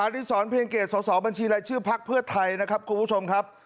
ดีศรเพียงเกตสอบบัญชีรายชื่อพักเพื่อไทยนะครับคุณผู้ชมครับ